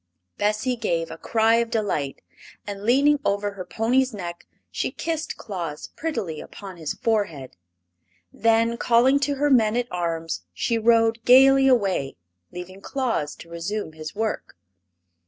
Bessie gave a cry of delight, and leaning over her pony's neck she kissed Claus prettily upon his forehead. Then, calling to her men at arms, she rode gaily away, leaving Claus to resume his work.